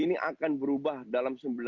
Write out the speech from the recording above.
ini akan berubah dalam sembilan puluh